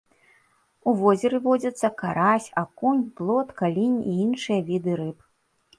У возеры водзяцца карась, акунь, плотка, лінь і іншыя віды рыб.